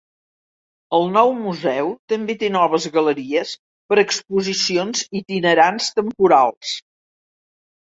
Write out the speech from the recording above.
El nou museu també té noves galeries per a exposicions itinerants temporals.